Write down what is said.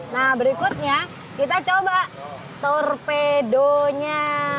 nah berikutnya kita coba torpedonya